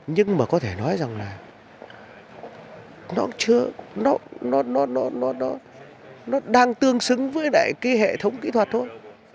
nhưng mà có thể nói rằng là nó chưa nó nó nó nó nó nó nó đang tương xứng với lại cái hệ thống kỹ thuật thôi